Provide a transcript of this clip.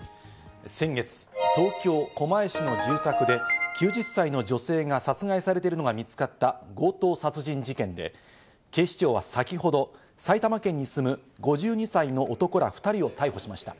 先月、東京・狛江市の住宅で９０歳の女性が殺害されているのが見つかった強盗殺人事件で、警視庁は先ほど埼玉県に住む５２歳の男ら２人を逮捕しました。